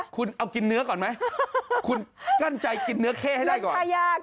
คุณเอากินเนื้อก่อนไหมคุณกั้นใจกินเนื้อเข้ให้ได้ก่อน